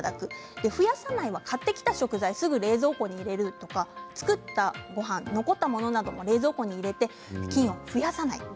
増やさないは、買ってきた食材はすぐに冷蔵庫に入れるとか残ったものなども、すぐ冷蔵庫に入れて菌を増やさない。